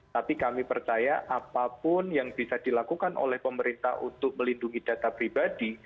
tapi kami percaya apapun yang bisa dilakukan oleh pemerintah untuk melindungi data pribadi